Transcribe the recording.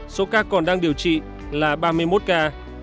số ca còn đang điều trị là ba mươi một ca